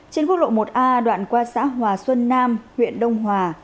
trên quốc lộ một a đoạn qua xã hòa xuân nam huyện đông hòa